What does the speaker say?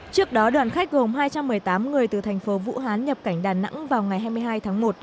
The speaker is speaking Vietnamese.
trước đó đoàn khách gồm hai trăm một mươi tám người từ thành phố vũ hán nhập cảnh đà nẵng vào ngày hai mươi hai tháng một